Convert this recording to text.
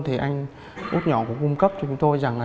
thì anh ước nhỏ cũng cung cấp cho chúng tôi rằng là